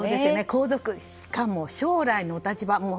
皇族、しかも将来のお立場。